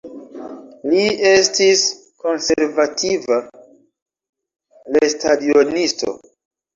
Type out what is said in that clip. Li estis konservativa lestadionisto.